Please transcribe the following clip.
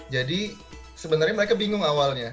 jadi sebenarnya mereka bingung awalnya